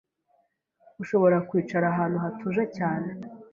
Ushobora kwicara ahantu hatuje cyane